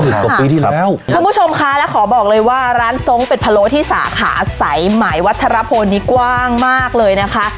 คุณผู้ชมค่ะแล้วขอบอกเลยว่าร้านทรงเป็ดพะโล้ที่สาขาสายใหม่วัฒนภพนี้กว้างมากเลยนะคะ